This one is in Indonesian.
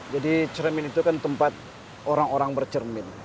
jadi cermin itu kan tempat orang orang bercermin